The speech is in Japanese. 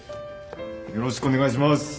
よろしくお願いします。